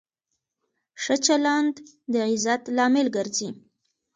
ښه چلند د عزت لامل ګرځي.